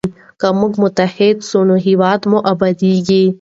که موږ متحد سو نو هیواد مو ابادیږي.